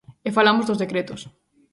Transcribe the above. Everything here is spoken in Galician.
E falamos dos decretos.